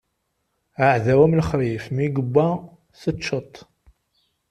Aɛdaw am lexṛif mi iwwa teččeḍ-t.